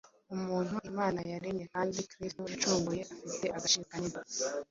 Umuntu Imana yaremye kandi Kristo yacunguye, afite agaciro kanini